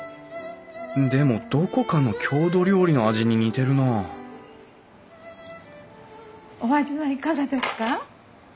でもどこかの郷土料理の味に似てるなあお味はいかがですか？